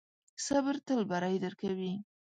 صبر تل بری درکوي.